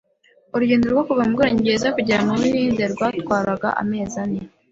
Urugendo rwo kuva mu Bwongereza kugera mu Buhinde rwatwaraga amezi ane.